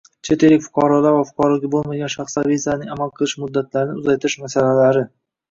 Chet ellik fuqarolar va fuqaroligi bo‘lmagan shaxslar vizalarining amal qilish muddatlarini uzaytirish masalalari